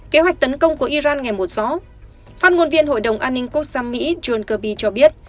kế hoạch tấn công của iran ngày một rõ phát ngôn viên hội đồng an ninh quốc gia mỹ john kirby cho biết